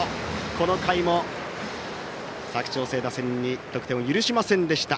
この回も佐久長聖打線に得点を許しませんでした